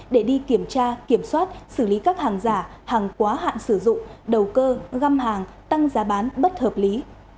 để đi kiểm tra kiểm soát xử lý các hàng giả hàng quá hạn sử dụng đầu cơ găm hàng tăng giá bán bất hợp lý